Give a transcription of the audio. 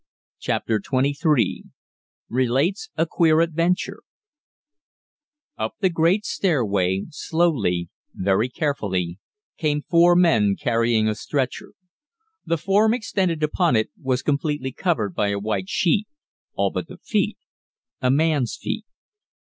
CHAPTER XXIII RELATES A QUEER ADVENTURE Up the great stairway, slowly, very carefully, came four men carrying a stretcher. The form extended upon it was completely covered by a white sheet, all but the feet a man's feet.